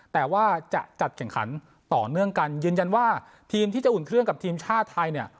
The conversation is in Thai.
แต่ว่าจะจัดแข่งขันต่อเนื่องกันยืนยันว่าทีมที่จะอุ่นเครื่องกับทีมชาติไทยเนี่ย